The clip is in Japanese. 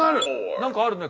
何かあるね。